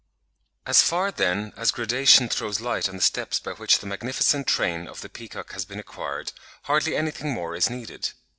As far, then, as gradation throws light on the steps by which the magnificent train of the peacock has been acquired, hardly anything more is needed.